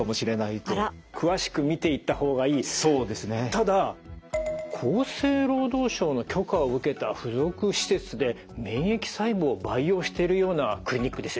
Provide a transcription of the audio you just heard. ただ厚生労働省の許可を受けた付属施設で免疫細胞を培養してるようなクリニックですよ。